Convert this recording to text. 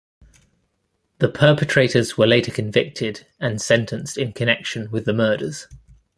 The perpetrators were later convicted and sentenced in connection with the murders.